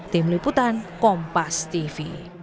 tim liputan kompas tv